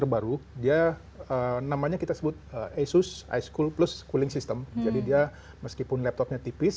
baru dia namanya kita sebut asus i school plus cooling system jadi dia meskipun laptopnya tipis